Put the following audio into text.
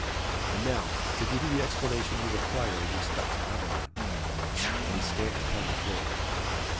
And now, to give you the explanation you require in respect to Aveline." And he stamped upon the floor.